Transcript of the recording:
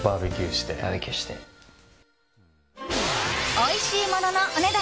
おいしいもののお値段